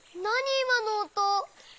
いまのおと。